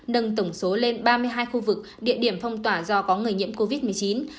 nâng tổng số lên ba mươi hai khu vực địa điểm phong tỏa do có người nhiễm covid một mươi chín